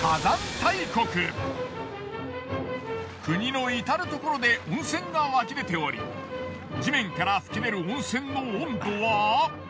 国のいたるところで温泉が湧き出ており地面から噴き出る温泉の温度は。